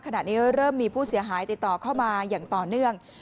ขณะนี้เริ่มมีผู้เสียหายติดต่อเข้ามาอย่างต่อเนื่อง